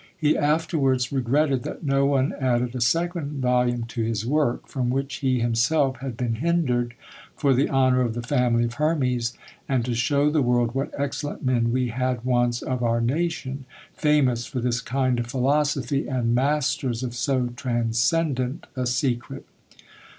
He afterwards regretted that no one added a second volume to his work, from which he himself had been hindered, for the honour of the family of Hermes, and "to show the world what excellent men we had once of our nation, famous for this kind of philosophy, and masters of so transcendant a secret."